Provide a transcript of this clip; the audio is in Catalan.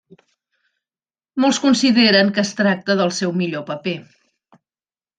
Molts consideren que es tracta del seu millor paper.